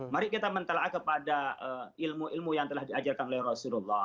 mari kita mentela kepada ilmu ilmu yang telah diajarkan oleh rasulullah